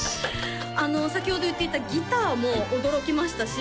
先ほど言っていたギターも驚きましたし